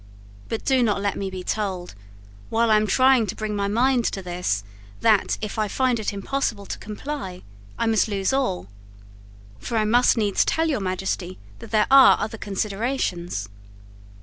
But do not let me be told, while I am trying to bring my mind to this, that, if I find it impossible to comply, I must lose all. For I must needs tell your Majesty that there are other considerations."